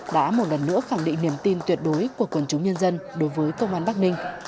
đã một lần nữa khẳng định niềm tin tuyệt đối của quần chúng nhân dân đối với công an bắc ninh